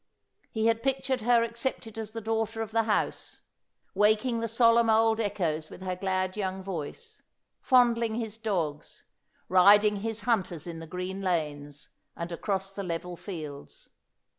He had pictured her accepted as the daughter of the house ; waking the solemn old echoes with her glad young voice ; fond ling his dogs ; riding his hunters in the green lanes, and across the level fields.